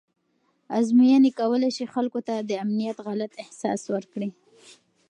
ازموینې کولی شي خلکو ته د امنیت غلط احساس ورکړي.